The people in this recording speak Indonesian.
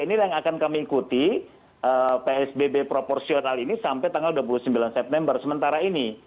ini yang akan kami ikuti psbb proporsional ini sampai tanggal dua puluh sembilan september sementara ini